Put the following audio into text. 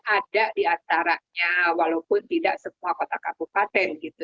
ada di antaranya walaupun tidak semua kota kabupaten gitu